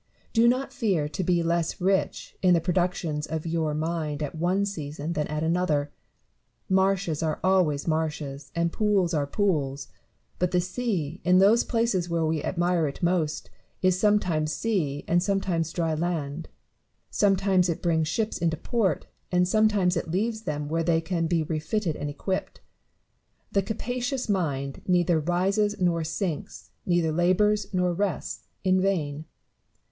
Do not fear to be less rich in the productions of your mind at one season than at another. Marshes are always marshes, and pools are pools ; but the sea, in those places where we admire it most, is sometimes sea and sometimes dry land ; sometimes it brings ships into port, and some times it leaves them where they can be refitted and equipped. The capacious mind neither rises nor sinks, neither labours nor rests, in vain.